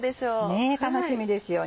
ねぇ楽しみですよね。